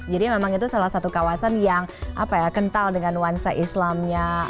jadi memang itu salah satu kawasan yang apa ya kental dengan nuansa islamnya